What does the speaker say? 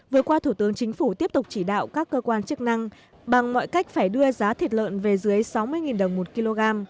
vừa qua thủ tướng chính phủ tiếp tục chỉ đạo các cơ quan chức năng bằng mọi cách phải đưa giá thịt lợn về dưới sáu mươi đồng một kg